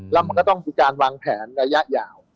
แล้วมันก็ต้องมีการวางแผนระยะยาว